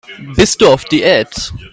Bist du auf Diät?